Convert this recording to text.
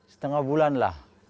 setengah bulan lah